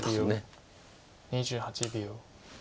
２８秒。